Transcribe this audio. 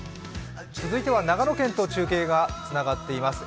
続いては長野県と中継がつながっています。